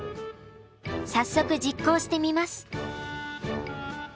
早速実行してみます。